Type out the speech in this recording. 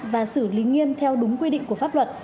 và xử lý nghiêm theo đúng quy định của pháp luật